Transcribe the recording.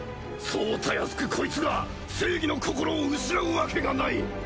そうたやすくコイツが正義の心を失うわけがない！